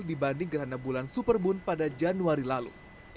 dibanding gerhana bulan supermoon pada januari lalu